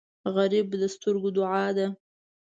غریب د سترګو دعا ده